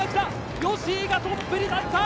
吉居がトップに立った！